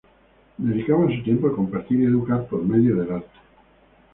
Dedicaban su tiempo a compartir y educar por medio del arte.